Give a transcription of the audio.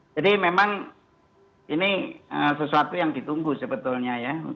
jadi memang ini sesuatu yang ditunggu sebetulnya ya